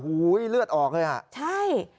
โอ้โหเลือดออกเลยอ่ะใช่